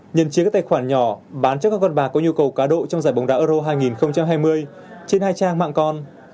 nhân chiếu các tài khoản nhỏ bán cho các con bạc có nhu cầu cá độ trong giải bóng đá euro hai nghìn hai mươi trên hai trang mạng con